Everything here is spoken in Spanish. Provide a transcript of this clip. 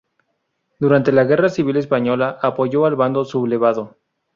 Durante la Guerra Civil Española apoyó al Bando sublevado.